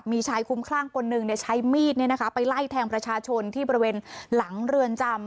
มีชายคุ้มคลั่งคนหนึ่งใช้มีดไปไล่แทงประชาชนที่บริเวณหลังเรือนจำ